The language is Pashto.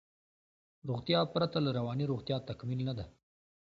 روغتیا پرته له روانی روغتیا تکمیل نده